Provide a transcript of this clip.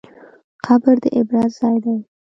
قبر د عبرت ځای دی.